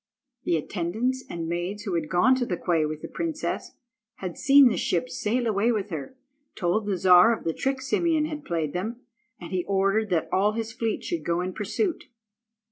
The attendants and maids, who had gone to the quay with the princess, and had seen the ship sail away with her, told the Czar of the trick Simeon had played them, and he ordered that all his fleet should go in pursuit.